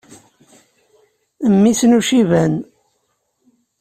Mmi-s n Uciban.